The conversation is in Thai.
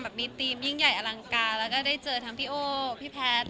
มีธีมยิ่งใหญ่อลังการแล้วก็ได้เจอทั้งพี่โอ้พี่แพทย์